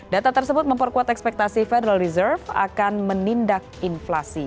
data tersebut memperkuat ekspektasi federal reserve akan menindak inflasi